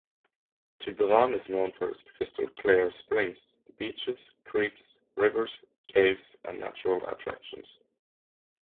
Tuburan is known for its crystal-clear springs, beaches, creeks, rivers, caves and natural attractions.